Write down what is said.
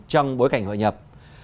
trong bối cảnh hội nhập